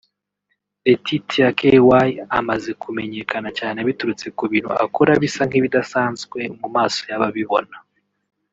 Laetitia Ky amaze kumenyekana cyane biturutse ku bintu akora bisa nk’ibidasanzwe mu maso y’ababibona